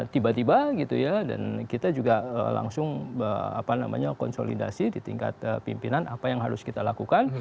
tiba tiba gitu ya dan kita juga langsung konsolidasi di tingkat pimpinan apa yang harus kita lakukan